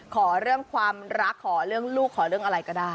ขอเรื่องความรักขอเรื่องลูกขอเรื่องอะไรก็ได้